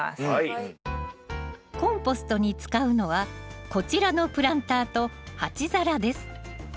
コンポストに使うのはこちらのプランターと鉢皿です。